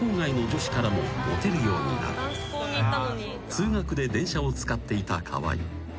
［通学で電車を使っていた川合］